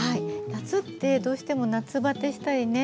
夏ってどうしても夏バテしたりね